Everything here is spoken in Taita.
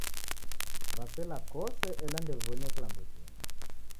W'asela kose ela ndew'iw'onie klambo chingi.